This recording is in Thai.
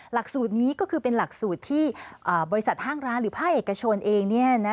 หลักสูตรนี้ก็คือเป็นหลักสูตรที่บริษัทห้างร้านหรือภาคเอกชนเอง